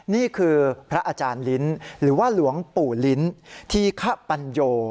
นี่คือพระอาจารย์ลิ้นหรือว่าหลวงปู่ลิ้นธีคปัญโย